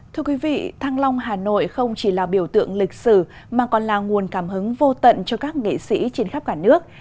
thưa quý vị thăng long hà nội không chỉ là biểu tượng lịch sử mà còn là nguồn cảm hứng vô tận cho các nghệ sĩ trên khắp cả nước